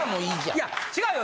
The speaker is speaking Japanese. いや違うよ。